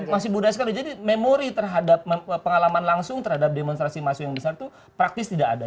masih muda sekali jadi memori terhadap pengalaman langsung terhadap demonstrasi masuk yang besar itu praktis tidak ada